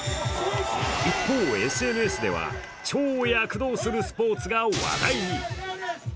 一方、ＳＮＳでは超躍動するスポーツが話題に。